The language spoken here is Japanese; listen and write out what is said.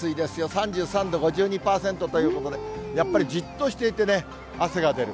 ３３度、５２％ということで、やっぱりじっとしていて、汗が出る。